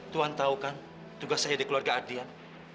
tuhan tahu kan tugas saya di keluarga adian